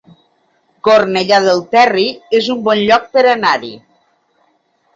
Cornellà del Terri es un bon lloc per anar-hi